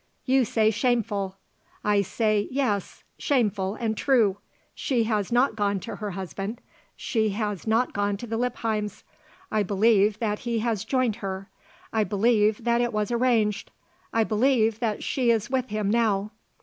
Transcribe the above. "You say 'shameful.' I say, yes; shameful, and true. She has not gone to her husband. She has not gone to the Lippheims. I believe that he has joined her. I believe that it was arranged. I believe that she is with him now."